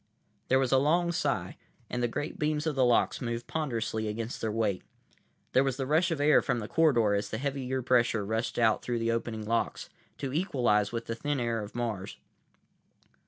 There was a long sigh, and the great beams of the locks moved ponderously against their weight. There was the rush of air from the corridor as the heavier pressure rushed out through the opening locks, to equalize with the thin air of Mars.